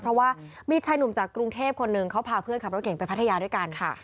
เพราะว่ามีชายหนุ่มจากกรุงเทพคนหนึ่งเขาพาเพื่อนขับรถเก่งไปพัทยาด้วยกันค่ะ